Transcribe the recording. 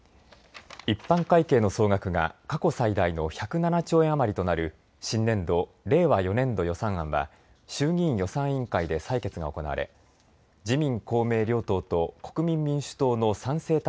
一般会計の総額が過去最大の１０７兆円余りとなる新年度・令和４年度予算案は衆議院予算委員会で採決が行われ自民公明両党と国民民主党の賛成